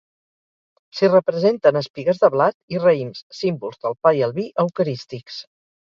S’hi representen espigues de blat i raïms, símbols del pa i el vi eucarístics.